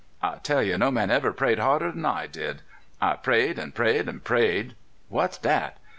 I tell you, no man ever prayed harder' n I did ! I prayed, an' prayed, an' prayed! What's dat?